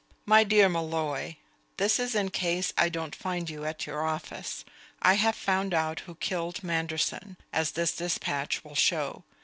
_ My Dear Molloy: This is in case I don't find you at your office. I have found out who killed Manderson, as this despatch will show.